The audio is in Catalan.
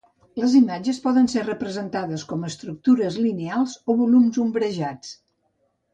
Les imatges poden ser representades com estructures lineals o volums ombrejats.